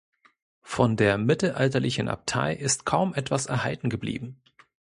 Von der mittelalterlichen Abtei ist kaum etwas erhalten geblieben.